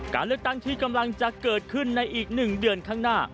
การเลือกตั้งที่กำลังจะเกิดขึ้นในอีก๑เดือนข้างหน้า